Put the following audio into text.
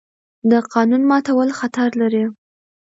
د قانون ماتول خطر لري